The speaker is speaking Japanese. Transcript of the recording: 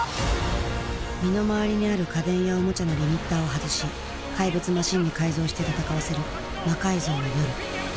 身の回りにある家電やおもちゃのリミッターを外し怪物マシンに改造して戦わせる「魔改造の夜」。